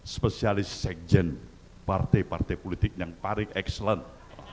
spesialis sekjen partai partai politik yang paling excellent